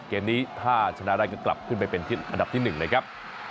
เกมนี้ถ้าชนะได้ก็กลับขึ้นไปเป็นที่อันดับที่๑เลยครับ